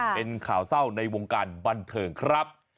เป็นข่าวเศร้าในวงการบันเทิงครับ